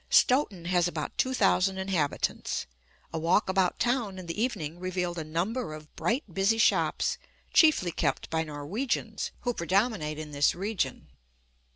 Stoughton has about two thousand inhabitants. A walk about town in the evening, revealed a number of bright, busy shops, chiefly kept by Norwegians, who predominate in this region.